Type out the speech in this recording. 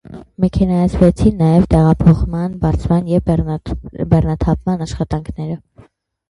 Մեքենայացվեցին նաև տեղափոխման, բարձման և բեռնաթափման աշխատանքները։